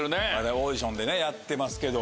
オーディションでやってますけど。